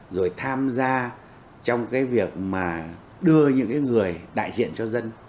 rồi tham gia trong cái việc mà đưa những cái người đại diện cho dân